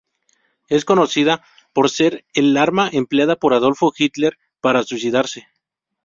Es conocida por ser el arma empleada por Adolf Hitler para suicidarse.